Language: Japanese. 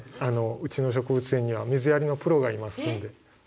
うちの植物園には水やりのプロがいますので。